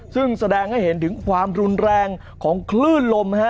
ซึ่งแสดงให้เห็นถึงความรุนแรงของคลื่นลม